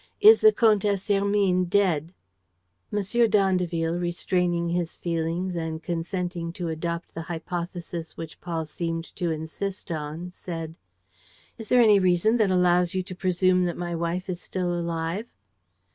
Is the Comtesse Hermine dead?" M. d'Andeville, restraining his feelings and consenting to adopt the hypothesis which Paul seemed to insist on, said: "Is there any reason that allows you to presume that my wife is still alive?"